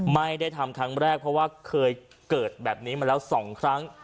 ไม่ได้ทำครั้งแรกเพราะว่าเคยเกิดแบบนี้มาแล้ว๒ครั้ง